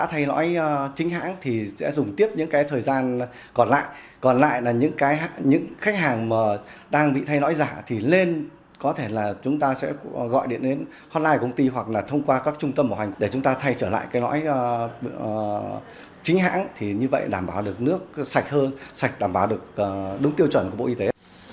hôm nay công ty hoặc là thông qua các trung tâm bảo hành để chúng ta thay trở lại cái lõi chính hãng thì như vậy đảm bảo được nước sạch hơn sạch đảm bảo được đúng tiêu chuẩn của bộ y tế